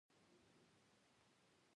ما وویل: هر خبر چې وي، په ښار کې څه کیسې دي.